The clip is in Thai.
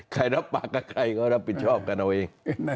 รับปากกับใครก็รับผิดชอบกันเอาเอง